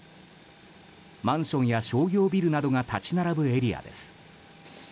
マンションや商業ビルなどが立ち並ぶエリアです。